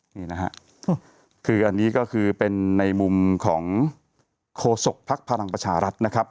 นี่นะฮะคืออันนี้ก็คือเป็นในมุมของโคศกภักดิ์พลังประชารัฐนะครับ